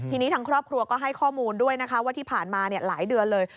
ทีนี้ทางครอบครัวก็ให้ข้อมูลด้วยนะคะว่าที่ผ่านมาหลายเดือนเลย